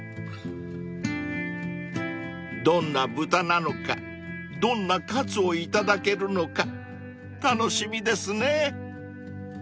［どんな豚なのかどんなカツを頂けるのか楽しみですね］